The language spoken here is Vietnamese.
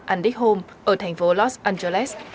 andik home ở thành phố los angeles